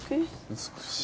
美しい。